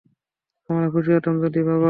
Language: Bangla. আমরা খুশি হতাম যদি-- বাবা!